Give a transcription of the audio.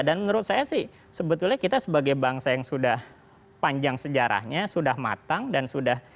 dan menurut saya sih sebetulnya kita sebagai bangsa yang sudah panjang sejarahnya sudah matang dan sudah demokratis